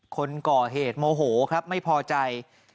คนก่อเหตุโมโหครับไม่พอใจ